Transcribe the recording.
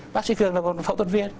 bác sĩ phương là một phẫu thuật viên